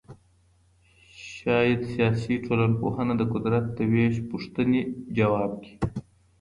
شاید سیاسي ټولنپوهنه د قدرت د وېش پوښتنې ځواب کړي.